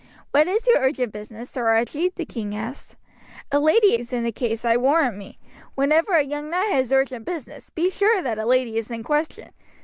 "What is your urgent business, Sir Archie?" the king asked. "A lady is in the case, I warrant me. Whenever a young knight has urgent business, be sure that a lady is in question.